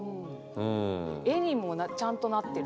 絵にもちゃんとなってる。